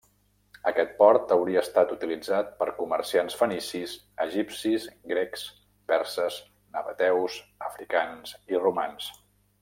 Aquest port hauria estat utilitzat per comerciants fenicis, egipcis, grecs, perses, nabateus, africans i romans.